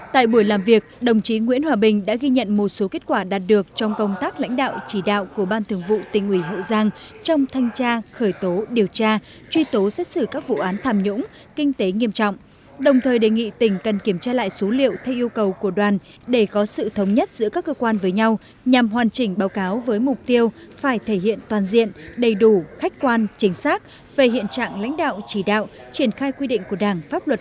tại buổi làm việc đồng chí nguyễn hòa bình đã ghi nhận một số kết quả đạt được trong công tác lãnh đạo chỉ đạo của ban thường vụ tỉnh ủy hậu giang trong thanh tra khởi tố điều tra truy tố xét xử các vụ án tham nhũng kinh tế nghiêm trọng đồng thời đề nghị tỉnh cần kiểm tra lại số liệu thay yêu cầu của đoàn để có sự thống nhất giữa các cơ quan với nhau nhằm hoàn chỉnh báo cáo với mục tiêu phải thể hiện toàn diện đầy đủ khách quan chính xác về hiện trạng lãnh đạo chỉ đạo triển khai quy định của đảng pháp luật